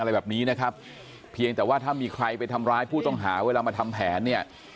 อะไรแบบนี้นะครับเพียงแต่ว่าถ้ามีใครไปทำร้ายผู้ต้องหาเวลามาทำแผนเนี่ย